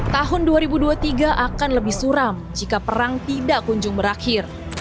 tahun dua ribu dua puluh tiga akan lebih suram jika perang tidak kunjung berakhir